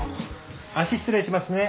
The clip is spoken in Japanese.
足失礼しますね。